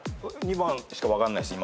２番しか分かんないっす